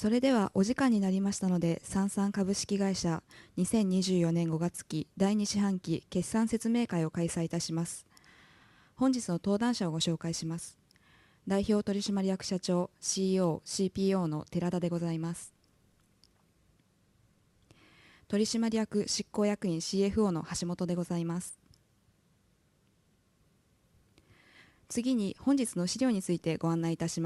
それでは、お時間になりましたので、サンサン株式会社2024年5月期第2四半期決算説明会を開催いたします。本日の登壇者をご紹介します。代表取締役社長 CEO、CPO の寺田でございます。取締役執行役員 CFO の橋本でございます。次に、本日の資料についてご案内いたし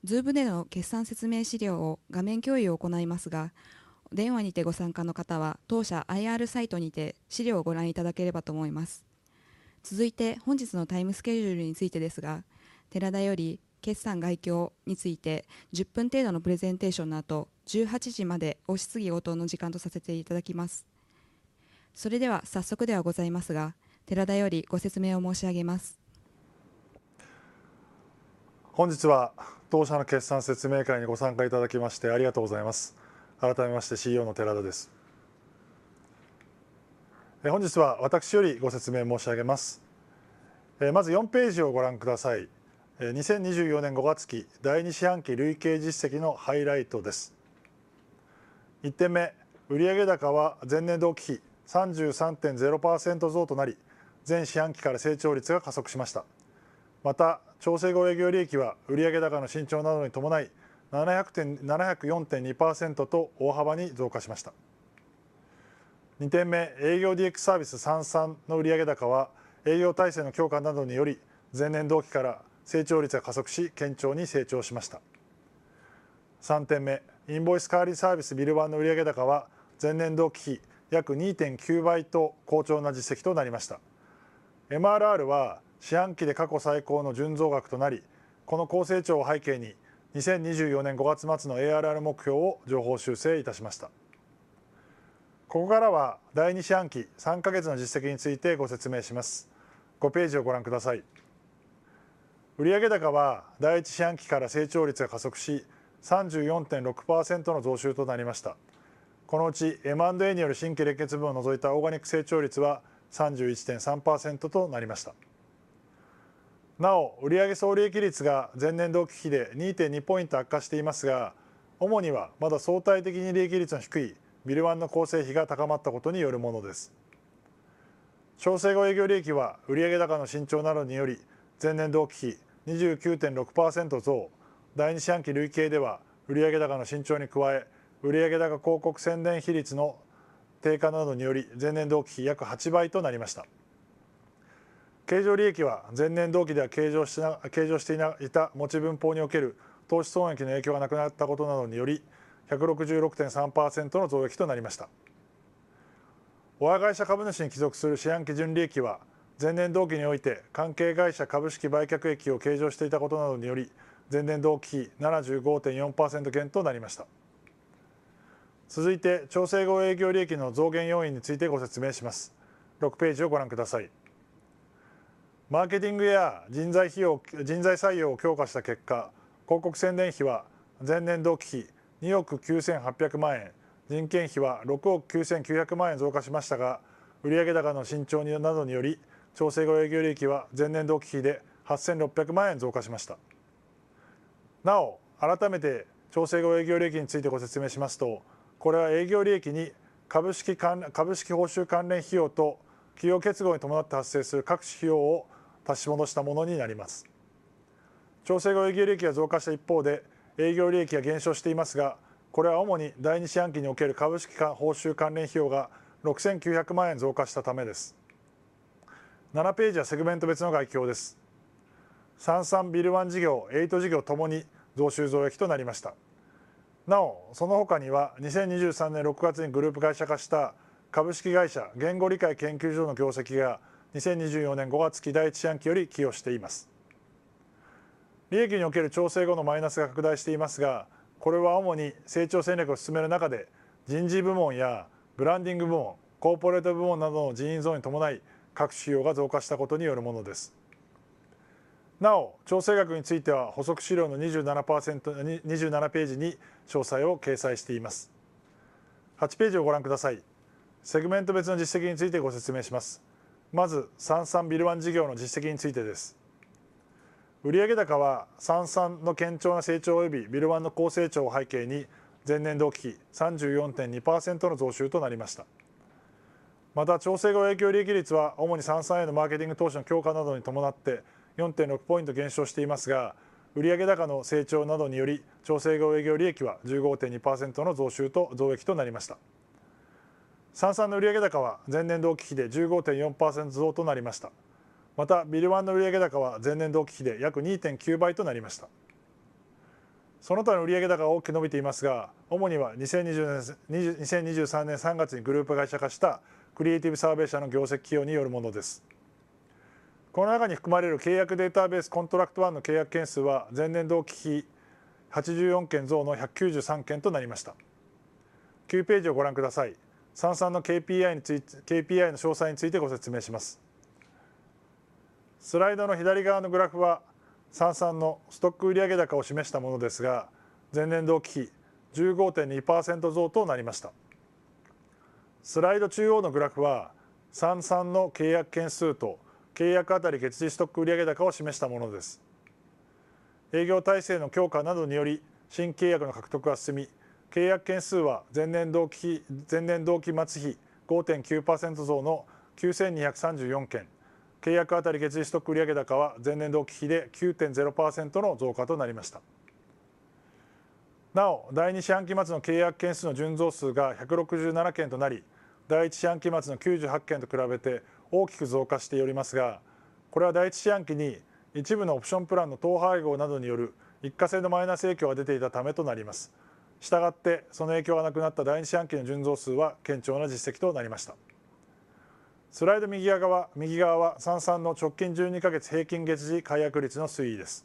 ます。ZOOM での決算説明資料を画面共有を行いますが、電話にてご参加の方は当社 IR サイトにて資料をご覧いただければと思います。続いて、本日のタイムスケジュールについてですが、寺田より決算概況について10分程度のプレゼンテーションの後、18時まで質疑応答の時間とさせていただきます。それでは早速ではございますが、寺田よりご説明を申し上げます。本日は当社の決算説明会にご参加いただきましてありがとうございます。改めまして、CEO の寺田です。本日は私よりご説明申し上げます。まず4ページをご覧ください。2024年5月期第2四半期累計実績のハイライトです。1点目、売上高は前年同期比 33.0% 増となり、前四半期から成長率が加速しました。また、調整後営業利益は売上高の伸長などに伴い、700.74.2% と大幅に増加しました。2点目、営業 DX サービスサンサンの売上高は、営業体制の強化などにより、前年同期から成長率が加速し、堅調に成長しました。3点目、インボイス代わりサービスビルワンの売上高は、前年同期比約 2.9 倍と好調な実績となりました。MRR は四半期で過去最高の純増額となり、この好成長を背景に、2024年5月末の ARR 目標を上方修正いたしました。ここからは第2四半期3ヶ月の実績についてご説明します。5ページをご覧ください。売上高は第1四半期から成長率が加速し、34.6% の増収となりました。このうち、M&A による新規連結分を除いたオーガニック成長率は 31.3% となりました。なお、売上総利益率が前年同期比で 2.2 ポイント悪化していますが、主にはまだ相対的に利益率の低いビルワンの構成比が高まったことによるものです。調整後営業利益は売上高の伸長などにより前年同期比 29.6% 増、第2四半期累計では売上高の伸長に加え、売上高、広告宣伝費率の低下などにより、前年同期比約8倍となりました。経常利益は前年同期では計上していた持分法における投資損益の影響がなくなったことなどにより、166.3% の増益となりました。親会社株主に帰属する四半期純利益は、前年同期において関係会社株式売却益を計上していたことなどにより、前年同期比 75.4% 減となりました。続いて、調整後営業利益の増減要因についてご説明します。6ページをご覧ください。マーケティングや人材費用、人材採用を強化した結果、広告宣伝費は前年同期比2億 9,800 万円、人件費は6億 9,900 万円増加しましたが、売上高の伸長などにより調整後営業利益は前年同期比で 8,600 万円増加しました。なお、改めて調整後営業利益についてご説明しますと、これは営業利益に株式報酬関連費用と企業結合に伴って発生する各種費用を足し戻したものになります。調整後営業利益が増加した一方で、営業利益は減少していますが、これは主に第2四半期における株式報酬関連費用が 6,900 万円増加したためです。7ページはセグメント別の概況です。サンサンビルワン事業、エイト事業ともに増収増益となりました。なお、その他には2023年6月にグループ会社化した株式会社言語理解研究所の業績が2024年5月期第1四半期より寄与しています。利益における調整後のマイナスが拡大していますが、これは主に成長戦略を進める中で、人事部門やブランディング部門、コーポレート部門などの人員増に伴い各種費用が増加したことによるものです。なお、調整額については補足資料の27ページに詳細を掲載しています。8ページをご覧ください。セグメント別の実績についてご説明します。まず、サンサンビルワン事業の実績についてです。売上高はサンサンの堅調な成長およびビルワンの好成長を背景に、前年同期比 34.2% の増収となりました。また、調整後営業利益率は主にサンサンへのマーケティング投資の強化などに伴って 4.6 ポイント減少していますが、売上高の成長などにより調整後営業利益は 15.2% の増収と増益となりました。サンサンの売上高は前年同期比で 15.4% 増となりました。また、ビルワンの売上高は前年同期比で約 2.9 倍となりました。その他の売上高が大きく伸びていますが、主には2020年2023年3月にグループ会社化したクリエイティブサーベイ社の業績寄与によるものです。この中に含まれる契約データベース、コントラクトワンの契約件数は前年同期比84件増の193件となりました。9ページをご覧ください。サンサンの KPI について、KPI の詳細についてご説明します。スライドの左側のグラフはサンサンのストック売上高を示したものですが、前年同期比 15.2% 増となりました。スライド中央のグラフは、サンサンの契約件数と契約あたり月次ストック売上高を示したものです。営業体制の強化などにより、新契約の獲得が進み、契約件数は前年同期比 5.9% 増の 9,234 件。契約あたり月次ストック売上高は前年同期比で 9.0% の増加となりました。なお、第2四半期末の契約件数の純増数が167件となり、第1四半期末の98件と比べて大きく増加しておりますが、これは第1四半期に一部のオプションプランの統廃合などによる一過性のマイナス影響が出ていたためとなります。したがって、その影響がなくなった第2四半期の純増数は堅調な実績となりました。スライド右側、右側はサンサンの直近12ヶ月平均月次解約率の推移です。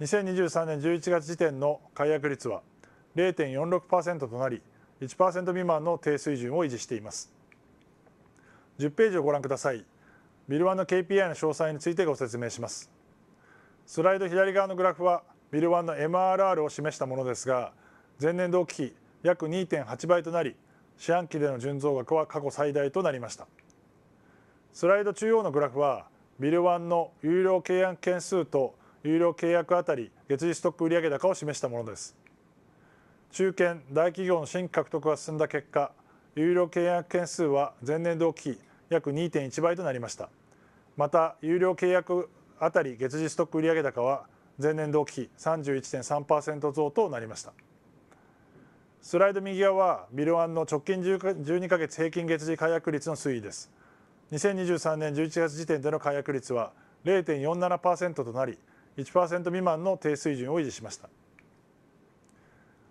2023年11月時点の解約率は 0.46% となり、1% 未満の低水準を維持しています。10ページをご覧ください。ビルワンの KPI の詳細についてご説明します。スライド左側のグラフはビルワンの MRR を示したものですが、前年同期比約 2.8 倍となり、四半期での純増額は過去最大となりました。スライド中央のグラフは、ビルワンの有料契約件数と有料契約あたり月次ストック売上高を示したものです。中堅大企業の新規獲得が進んだ結果、有料契約件数は前年同期比約 2.1 倍となりました。また、有料契約あたり月次ストック売上高は前年同期比 31.3% 増となりました。スライド右側はビルワンの直近12ヶ月平均月次解約率の推移です。2023年11月時点での解約率は 0.47% となり、1% 未満の低水準を維持しました。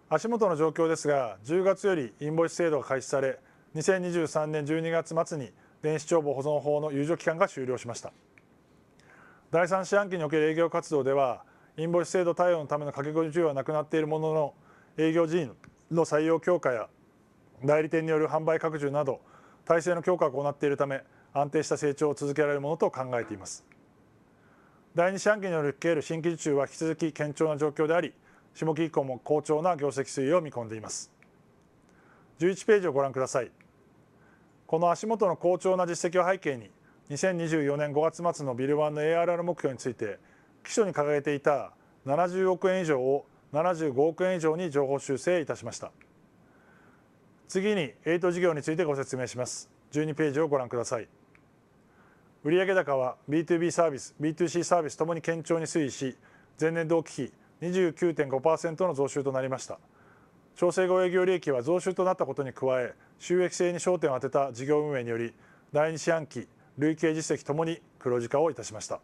足元の状況ですが、10月よりインボイス制度が開始され、2023年12月末に電子帳簿保存法の猶予期間が終了しました。第3四半期における営業活動では、インボイス制度対応のための駆け込み需要はなくなっているものの、営業人員の採用強化や代理店による販売拡充など体制の強化を行っているため、安定した成長を続けられるものと考えています。第2四半期における新規受注は引き続き堅調な状況であり、下期以降も好調な業績推移を見込んでいます。11ページをご覧ください。この足元の好調な実績を背景に、2024年5月末のビルワンの ARR 目標について、期初に掲げていた70億円以上を75億円以上に上方修正いたしました。次に、エイト事業についてご説明します。12ページをご覧ください。売上高は BtoB サービス、BtoC サービスともに堅調に推移し、前年同期比 29.5% の増収となりました。調整後営業利益は増収となったことに加え、収益性に焦点を当てた事業運営により、第2四半期累計実績ともに黒字化をいたしました。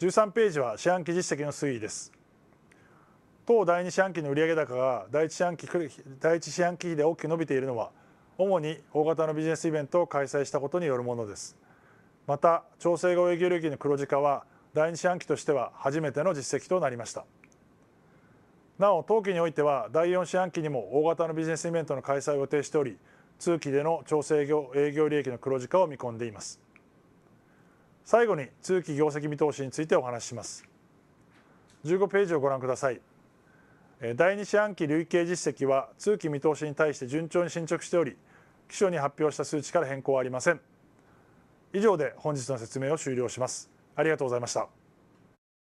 13ページは四半期実績の推移です。当第2四半期の売上高が第1四半期比で大きく伸びているのは、主に大型のビジネスイベントを開催したことによるものです。また、調整後営業利益の黒字化は第2四半期としては初めての実績となりました。なお、当期においては、第4四半期にも大型のビジネスイベントの開催を予定しており、通期での調整後営業利益の黒字化を見込んでいます。最後に、通期業績見通しについてお話しします。15ページをご覧ください。第2四半期累計実績は通期見通しに対して順調に進捗しており、期初に発表した数値から変更はありません。以上で本日の説明を終了します。ありがとうございました。